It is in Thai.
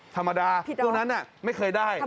ธรรมดาตรงนั้นไม่เคยได้นะครับ